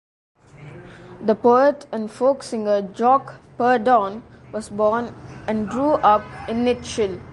The poet and folk singer Jock Purdon was born and grew up in Nitshill.